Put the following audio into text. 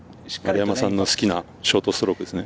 丸山さんの好きなショートストロークですね。